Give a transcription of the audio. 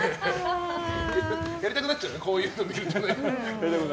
やりたくなっちゃうのねこういうの見ると。